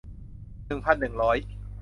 หนึ่งพันหนึ่งร้อย